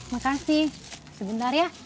makasih sebentar ya